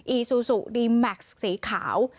อซูซูดีแม็กซ์สีขาว